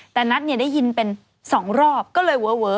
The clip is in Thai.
แต่นัทได้ยินเป็น๒รอบก็เลยเวอร์